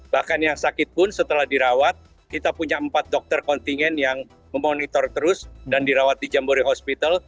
bahkan yang sakit pun setelah dirawat kita punya empat dokter kontingen yang memonitor terus dan dirawat di jambore hospital